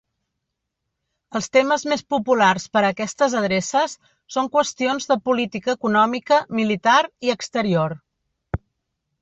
Els temes més populars per a aquestes adreces són qüestions de política econòmica, militar i exterior.